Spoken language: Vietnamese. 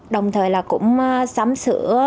đồng thời là cũng sắm sửa